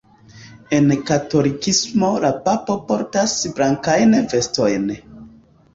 En katolikismo la Papo portas blankajn vestojn.